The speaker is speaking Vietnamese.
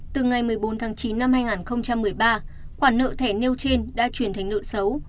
từ ngày một mươi bốn tháng chín năm hai nghìn một mươi ba khoản nợ thẻ nêu trên đã chuyển thành nợ xấu